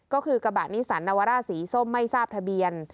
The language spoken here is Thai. ก็คือกระบะนิสันนาวาร่าสีส้มไม่ทราบทะเบียน